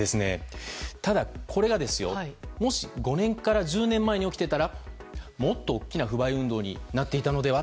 ただ、これがもし５年から１０年前に起きていたらもっと大きな不買運動になっていたのでは？